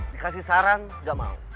dikasih saran gak mau